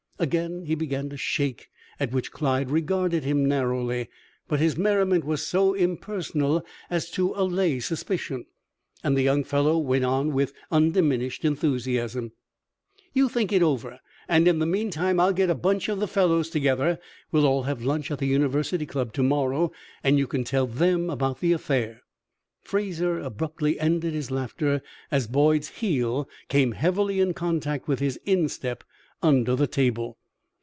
Again he began to shake, at which Clyde regarded him narrowly; but his merriment was so impersonal as to allay suspicion, and the young fellow went on with undiminished enthusiasm: "You think it over, and in the mean time I'll get a bunch of the fellows together. We'll all have lunch at the University Club to morrow, and you can tell them about the affair." Fraser abruptly ended his laughter as Boyd's heel came heavily in contact with his instep under the table.